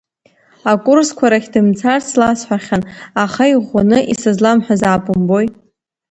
Акурсқәа рахь дымцарц ласҳәахьан, аха иӷәӷәаны исызламҳәазаап, умбои.